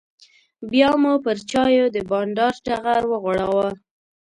بیا مو پر چایو د بانډار ټغر وغوړاوه.